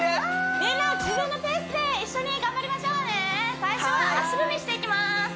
みんな自分のペースで一緒に頑張りましょうね最初は足踏みしていきます